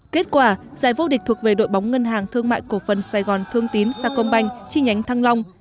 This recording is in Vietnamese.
kết quả giải vô địch thuộc về đội bóng ngân hàng thương mại cổ phần sài gòn thương tín sao công banh chi nhánh thăng long